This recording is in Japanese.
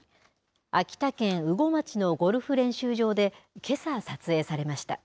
秋田県羽後町のゴルフ練習場で、けさ撮影されました。